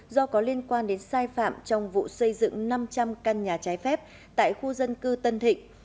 do có liên quan đến sai phạm trong vụ xây dựng năm trăm linh căn nhà trái phép tại khu dân cư tân thịnh